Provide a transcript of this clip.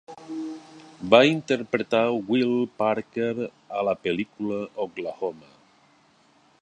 Va interpretar a Will Parker a la pel·lícula Oklahoma!